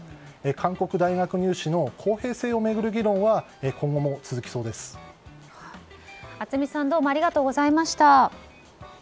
韓国大学入試の公平性を巡る議論は熱海さんどうもありがとうございました。